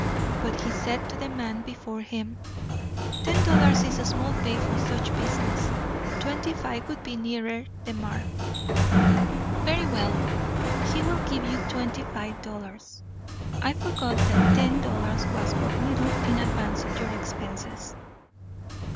But he said to the man before him: "Ten dollars is small pay for such business. Twenty five would be nearer the mark." "Very well, he will give you twenty five dollars. I forgot that ten dollars was but little in advance of your expenses."